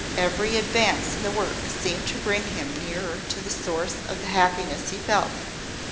Every advance in the work seemed to bring him nearer to the source of the happiness he felt.